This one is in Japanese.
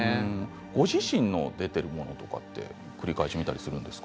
ご自身の出ているものは繰り返し見ますか？